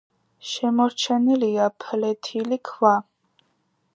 შემორჩენილია ფლეთილი ქვა.